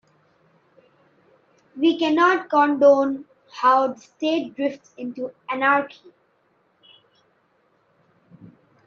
We cannot condone how the state drifts into anarchy.